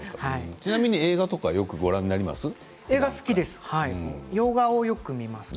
ちなみに映画とかはよくご覧になりますか？